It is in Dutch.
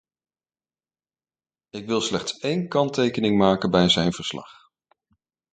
Ik wil slechts één kanttekening maken bij zijn verslag.